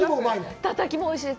たたきもおいしいです。